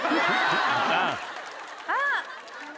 あっ。